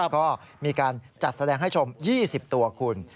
ก็มีการจัดแสดงให้ชม๒๐ตัวคุณ